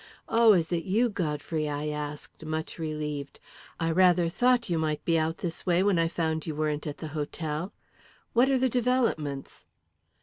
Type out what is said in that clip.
"Oh, is it you, Godfrey?" I asked, much relieved. "I rather thought you might be out this way, when I found you weren't at the hotel. What are the developments?"